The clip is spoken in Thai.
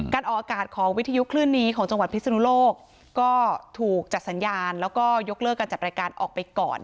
ออกอากาศของวิทยุคลื่นนี้ของจังหวัดพิศนุโลกก็ถูกจัดสัญญาณแล้วก็ยกเลิกการจัดรายการออกไปก่อน